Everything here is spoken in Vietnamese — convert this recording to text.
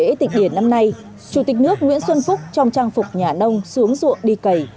lễ tịch điền năm nay chủ tịch nước nguyễn xuân phúc trong trang phục nhà nông xuống ruộng đi cầy